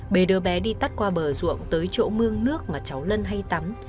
bề đưa bé đi tắt qua bờ ruộng tới chỗ mương nước mà cháu lân hay tắm